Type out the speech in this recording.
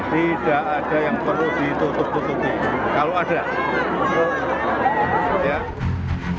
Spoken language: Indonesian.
tidak ada yang perlu ditutup tutupi kalau ada